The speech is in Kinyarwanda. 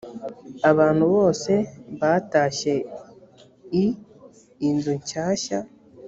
abantu bose batashye i inzu nshyashya.